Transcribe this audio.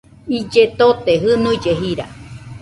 Ille tote, jɨnuille jira